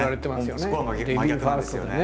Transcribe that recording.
もうそこは真逆なんですよね。